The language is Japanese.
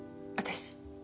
私。